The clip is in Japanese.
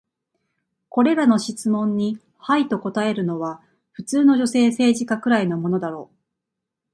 これらの質問に「はい」と答えるのは、普通の女性政治家くらいのものだろう。